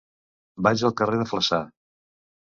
Vaig al carrer de Flaçà.